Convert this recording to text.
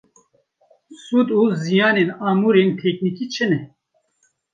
Sûd û ziyanên amûrên teknîkî çi ne?